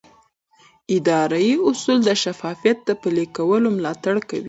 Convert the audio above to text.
اداري اصول د شفافیت د پلي کولو ملاتړ کوي.